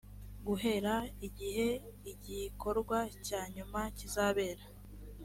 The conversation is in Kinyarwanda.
guhera igihe igikorwa cya nyuma kizabera